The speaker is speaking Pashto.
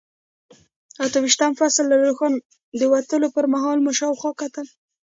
اته ویشتم فصل، له ښاره د وتلو پر مهال مو شاوخوا کتل.